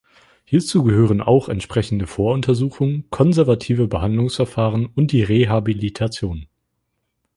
Hierzu gehören auch entsprechende Voruntersuchungen, konservative Behandlungsverfahren und die Rehabilitation.